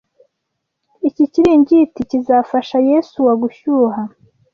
Iki kiringiti kizafasha Yesuwa gushyuha.